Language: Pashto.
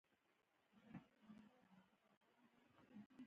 د نسکو دال ډیر ژر پخیږي.